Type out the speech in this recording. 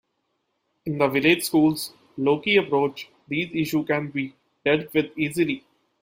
In the Village School's low-key approach, these issues can be dealt with easily.